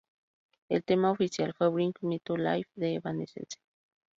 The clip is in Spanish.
El tema oficial fue "Bring Me To Life" de Evanescence.